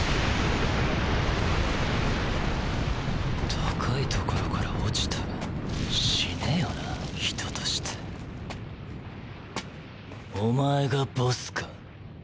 高いところから落ちたら死ねよなァ人として。おまえがボスか？